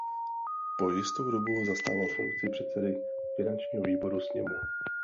Po jistou dobu zastával funkci předsedy finančního výboru sněmu.